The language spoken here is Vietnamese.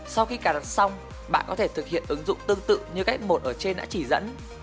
sau khi cài đặt xong bạn có thể thực hiện ứng dụng tương tự như f một ở trên đã chỉ dẫn